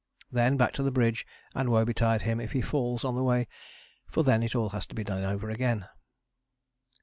Then back to the bridge, and woe betide him if he falls on the way, for then it all has to be done over again.